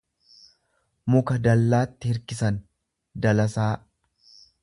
muka dallaatti hirkisan, dalasaa.